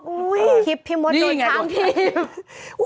คลิปที่มันโดนทางที